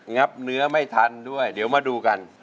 ับเนื้อไม่ทันด้วยเดี๋ยวมาดูกัน